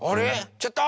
ちょっと！